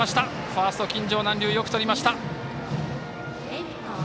ファースト、金城南隆よくとりました。